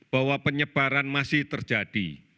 bahwa penyebaran masih terjadi